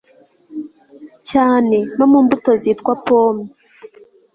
cyane no mu mbuto zitwa 'pommes'